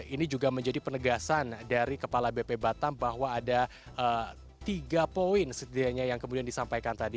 ini juga menjadi penegasan dari kepala bp batam bahwa ada tiga poin setidaknya yang kemudian disampaikan tadi